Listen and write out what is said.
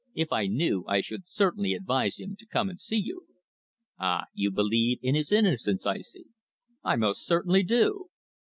"If I knew, I should certainly advise him to come and see you." "Ah! you believe in his innocence, I see?" "I most certainly do!"